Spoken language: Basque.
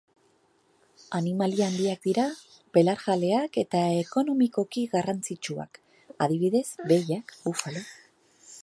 Animalia handiak dira, belarjaleak, eta ekonomikoki garrantzitsuak, adibidez behiak, bufalo.